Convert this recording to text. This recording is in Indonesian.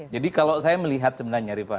jadi kalau saya melihat sebenarnya riffa